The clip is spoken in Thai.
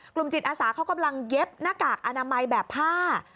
จิตอาสาเขากำลังเย็บหน้ากากอนามัยแบบผ้า